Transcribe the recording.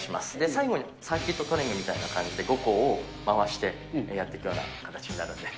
最後にサーキットトレーニングみたいな感じで、５個を回して、やっていくような形になるんで。